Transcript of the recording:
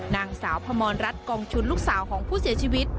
นางสาวพมรรัฐกองชุนลูกสาวของผู้เสียชีวิต